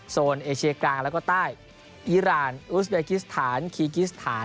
โซนเอเชียกลางและก็ใต้อิหลานอุทสมัยคริสตานคีกิสษฐาน